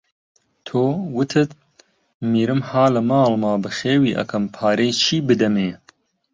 تۆ، وتت: میرم ها لە ماڵما بەخێوی ئەکەم پارەی چی بدەمێ؟